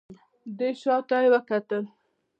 دی شا ته يې وکتل.